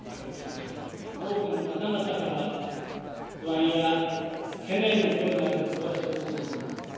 多くの方々から不安や懸念の声があることは承知してます。